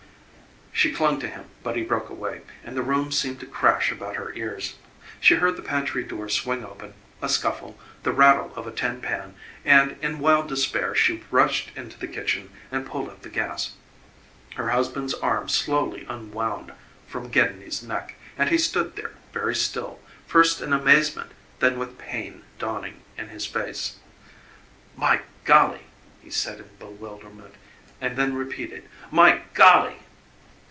She clung to him but he broke away, and the room seemed to crash about her ears. She heard the pantry door swing open, a scuffle, the rattle of a tin pan, and in wild despair she rushed into the kitchen and pulled up the gas. Her husband's arm slowly unwound from Gedney's neck, and he stood there very still, first in amazement, then with pain dawning in his face. "My golly!" he said in bewilderment, and then repeated: "My GOLLY!"